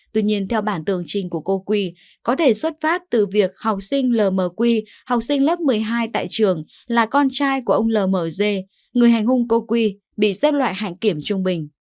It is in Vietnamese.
tuy nhiên theo bản tương trình của cô quy có thể xuất phát từ việc học sinh l m quy học sinh lớp một mươi hai tại trường là con trai của ông l m dê người hành hung cô quy bị xếp loại hành kiểm trung bình